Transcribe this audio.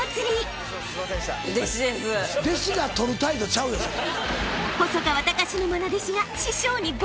弟子が取る態度ちゃうよそれ。